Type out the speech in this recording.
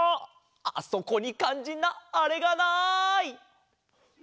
あそこにかんじんなあれがない！